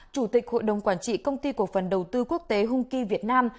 chủ tịch hội đồng quản trị công ty cộng phần đầu tư quốc tế hung ky việt nam